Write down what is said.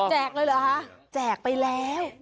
แจกเลยเหรอแจกไปแล้ว